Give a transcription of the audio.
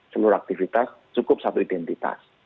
seluruh aktivitas cukup satu identitas